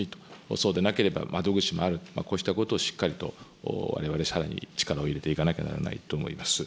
そうでなければ窓口もある、こうしたことをしっかりと、われわれさらに力を入れていかなければいけないと思います。